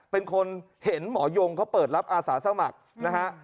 เป็นคนเห็นหมอยงเขาเปิดรับอาสาสมัครนะฮะ